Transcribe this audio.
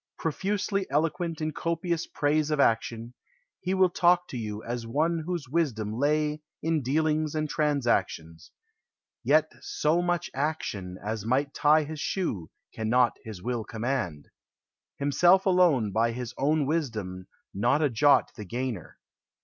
Profusely eloquent in copious praise Of action, he will talk to you as one Whose wisdom lay in dealings and transactions ; Yet so much action as might tie his shoe Cannot his will command ; himself alone By his own wisdom not a jot the gainer.